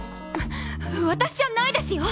わ私じゃないですよ！